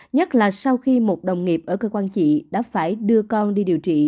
nhất là sau khi một đồng nghiệp ở cơ quan chị đã phải đưa con đi điều trị